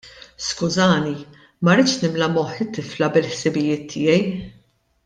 Skużani, ma ridtx nimla moħħ it-tifla bil-ħsibijiet tiegħi.